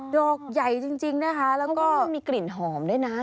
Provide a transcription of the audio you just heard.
ดอกใหญ่จริงนะคะแล้วก็มีกลิ่นหอมด้วยนะ